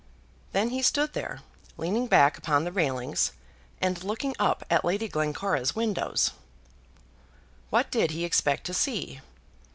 Then he stood there, leaning back upon the railings, and looking up at Lady Glencora's windows. What did he expect to see?